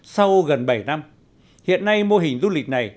sau gần bảy năm hiện nay mô hình du lịch này